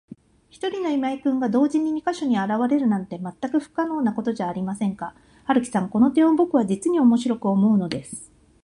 ひとりの今井君が、同時に二ヵ所にあらわれるなんて、まったく不可能なことじゃありませんか。春木さん、この点をぼくは、じつにおもしろく思うのです。